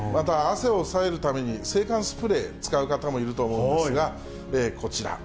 また、汗を抑えるために、制汗スプレー、使う方もいると思うんですが、こちら。